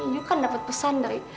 you kan dapat pesan dari